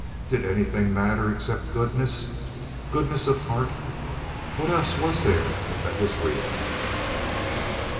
Did anything matter except goodness—goodness of heart? What else was there that was real?